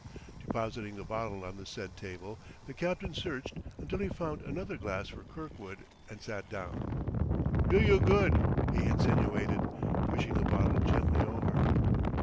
Depositing the bottle on the said table, the captain searched until he found another glass for Kirkwood, and sat down. "Do you good," he insinuated, pushing the bottle gently over.